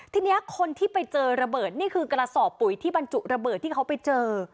ทีนี้คนที่ไปเจอระเบิดนี่คือกระสอบปุ๋ยที่บรรจุระเบิดที่เขาไปเจอ